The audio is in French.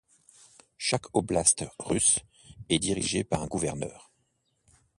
Chaque oblast russe est dirigé par un gouverneur.